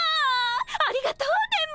ありがとう電ボ！